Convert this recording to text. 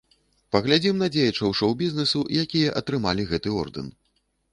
Паглядзім на дзеячаў шоў-бізнесу, якія атрымалі гэты ордэн.